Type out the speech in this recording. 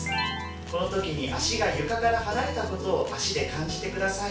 この時に足が床から離れたことを足で感じて下さい。